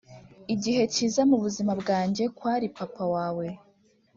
igice cyiza mubuzima bwanjye kwari papa we.